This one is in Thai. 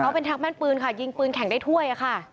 เขาเป็นทางแม่นปืนค่ะยิงปืนแข่งได้ถ้วยค่ะ